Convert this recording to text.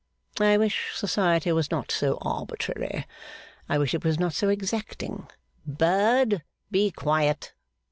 I wish Society was not so arbitrary, I wish it was not so exacting Bird, be quiet!